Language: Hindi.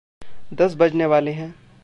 दस बजने वाले हैं।